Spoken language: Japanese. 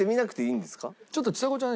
ちょっとちさ子ちゃん